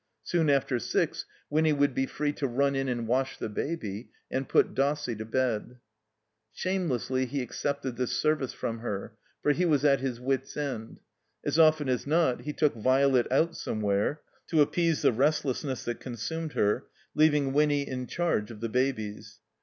Soon after six Winny would be free to nm in and wash the Baby and put Dossie to bed. Shamelessly he accepted this service from her; for he was at his wits' end. As often as not he took Violet out somewhere (to appease the restlessness that constimed her), leaving Winny in charge of the babies.